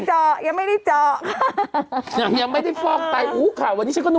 เจาะยังไม่ได้เจาะยังยังไม่ได้ฟอกไตอู้ค่ะวันนี้ฉันก็ดู